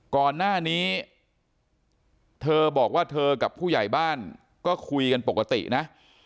ก่อนหน้านี้เธอบอกว่าเธอกับผู้ใหญ่บ้านก็คุยกันปกตินะ